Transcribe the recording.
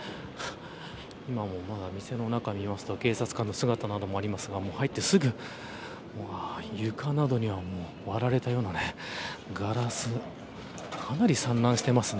今もまだ店の中には警察官の姿もありますが入ってすぐに床などに割られたようなガラスがかなり散乱しています。